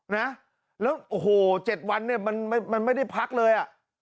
แล้ว๗วันมันไม่ได้พักเลย